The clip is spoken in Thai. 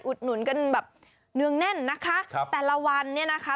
หนุนกันแบบเนืองแน่นนะคะครับแต่ละวันเนี่ยนะคะ